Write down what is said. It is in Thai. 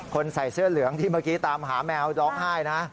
ใส่เสื้อเหลืองที่เมื่อกี้ตามหาแมวร้องไห้นะ